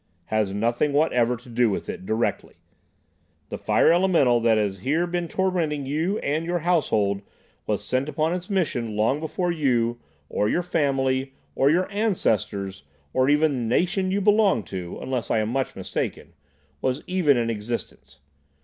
"Has nothing whatever to do with it—directly. The fire elemental that has here been tormenting you and your household was sent upon its mission long before you, or your family, or your ancestors, or even the nation you belong to—unless I am much mistaken—was even in existence.